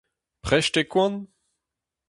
Prest eo koan ?